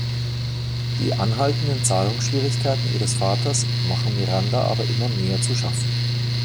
Die anhaltenden Zahlungsschwierigkeiten ihres Vaters machen Miranda aber immer mehr zu schaffen.